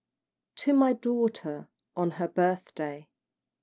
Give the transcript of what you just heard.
TO MY DAUGHTER ON HER BIRTHDAY.